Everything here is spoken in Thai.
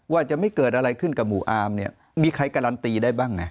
ว่าจะไม่เกิดอะไรขึ้นกับหมู่อาร์มเนี่ยมีใครการันตีได้บ้างไง